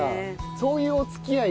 そういうお付き合いが。